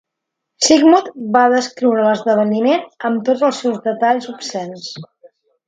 Sigmund va descriure l'esdeveniment amb tots els seus detalls obscens.